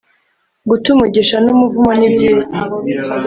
Guta umugisha n’ umuvumo ni byiza.